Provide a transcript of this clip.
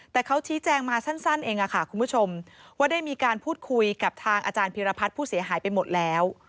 แต่เขาชี้แจงมาสั้นเองค่ะคุณผู้ชมว่าได้มีการพูดคุยกับทางอาจารย์พิรพัฒน์ผู้เสียหายไปหมดแล้ว